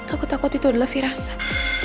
aku takut itu adalah firasan